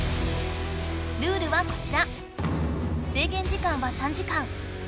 ルールはこちら。